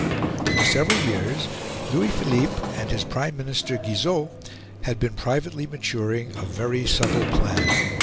For several years, Louis Philippe and his Prime Minister Guizot had been privately maturing a very subtle plan.